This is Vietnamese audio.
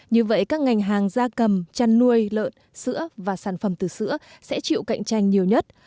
như vậy các ngành hàng gia cầm chăn nuôi lợn sữa và sản phẩm từ sữa sẽ chịu cạnh tranh nhiều nhất